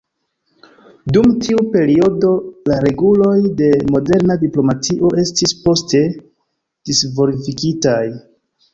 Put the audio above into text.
Dum tiu periodo la reguloj de moderna diplomatio estis poste disvolvigitaj.